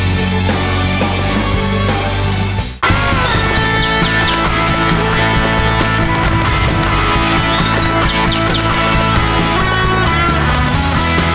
ให้แกร่งเกี่ยวกับวันที่กลับมา